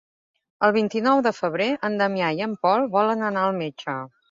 El vint-i-nou de febrer en Damià i en Pol volen anar al metge.